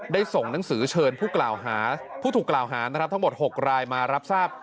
ได้ส่งหนังสือเชิญผู้ถูกกล่าวหาทั้งหมด๖รายมารับทราบ